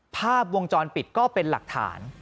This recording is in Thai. ภาพวงจรปิดก็เป็นหลักฐาน